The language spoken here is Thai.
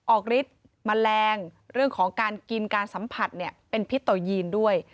ฤทธิ์แมลงเรื่องของการกินการสัมผัสเป็นพิษต่อยีนด้วย